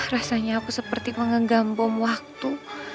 rasanya aku seperti mengegambom waktu